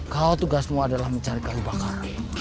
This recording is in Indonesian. kau tugasmu adalah mencari kayu bakar